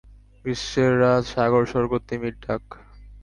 গ্রীষ্মের রাত, সাগর-স্বর্গ, তিমির ডাক।